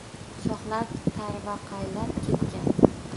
Shoxlari tarvaqaylab ketgan.